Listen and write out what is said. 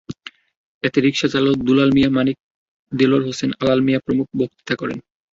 এতে রিকশাচালক দুলাল মিয়া, মানিক, দেলওয়ার হোসেন, আলাল মিয়া প্রমুখ বক্তৃতা করেন।